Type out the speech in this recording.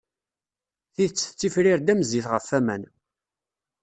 Tidet tettifrir-d am zzit ɣef waman.